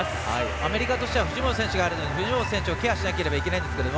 アメリカとしては藤本選手をケアしなければいけないんですけど